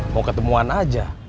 mau ketemuan aja